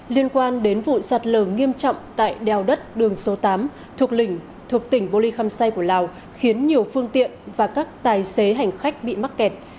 liên quan đến vụ sạt lở nghiêm trọng tại đèo đất đường số tám thuộc lình thuộc tỉnh bô ly khâm say của lào khiến nhiều phương tiện và các tài xế hành khách bị mắc kẹt